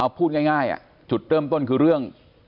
เอาพูดง่ายง่ายอ่ะจุดเริ่มต้นคือเรื่อง